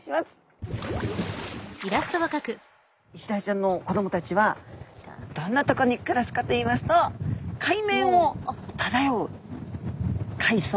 イシダイちゃんの子どもたちはどんなとこに暮らすかといいますと海面をただよう海藻。